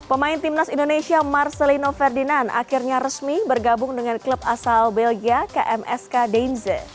pemain timnas indonesia marcelino ferdinand akhirnya resmi bergabung dengan klub asal belgia kmsk deinze